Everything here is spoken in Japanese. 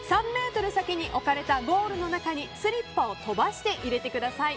３ｍ先に置かれたゴールの中にスリッパを飛ばして入れてください。